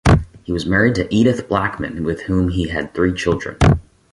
He was married to Edith Blackman with whom he had three children.